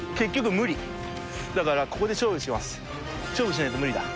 勝負しないと無理だ。